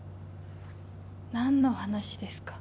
何の話ですか？